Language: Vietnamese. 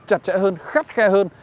chặt chẽ hơn khắt khe hơn